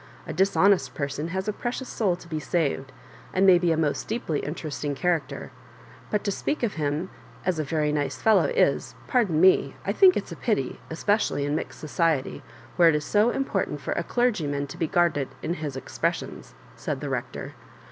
A dishonest person has a precious soul to be saved, and may be a most deeply interesting character ; but to speak of him as a very nice fellow, is— pardon me — ^I think it*s a pity; especially in mixed society, where it is so important for a clerg3rman to be guarded in his « expressions," said the Rector.